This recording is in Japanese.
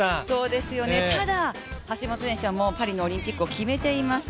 ただ橋本選手はパリのオリンピックを決めています。